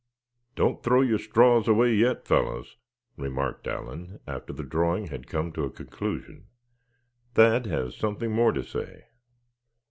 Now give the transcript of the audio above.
"Don't throw your straws away yet, fellows;" remarked Allan, after the drawing had come to a conclusion; "Thad has something more to say."